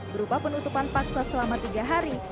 berupa penutupan paksa selama tiga hari